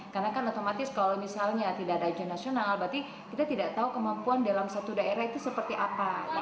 karena kan otomatis kalau misalnya tidak ada ujian nasional berarti kita tidak tahu kemampuan dalam satu daerah itu seperti apa